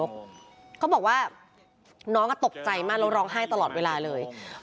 เบื้องต้นพนักงานปั๊มคนนี้พนักงานร้านสะดวกซื้อไปเจอน้อง